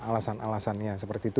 alasan alasannya seperti itu